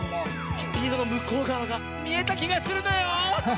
スピードのむこうがわがみえたきがするのよ！